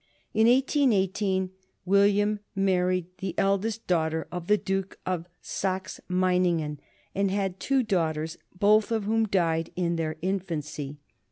In 1818 William married the eldest daughter of the Duke of Saxe Meiningen, and had two daughters, both of whom died in their infancy.